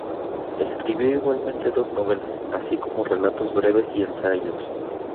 Escribió igualmente dos novelas, así como relatos breves y ensayos.